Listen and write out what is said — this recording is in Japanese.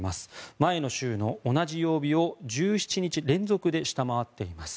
前の週の同じ曜日を１７日連続で下回っています。